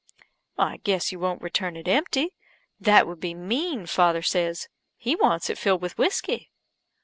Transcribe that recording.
"I guess you won't return it empty; that would be mean, father says. He wants it filled with whiskey."